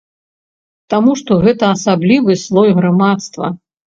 Таму што гэта асаблівы слой грамадства.